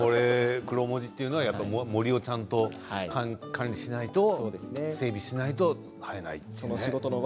クロモジというのは森をちゃんと管理しないと整備しないと生えないんですね。